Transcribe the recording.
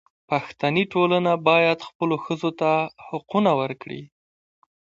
پښتني ټولنه باید خپلو ښځو ته حقونه ورکړي.